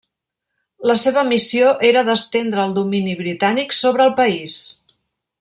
La seva missió era d'estendre el domini britànic sobre el país.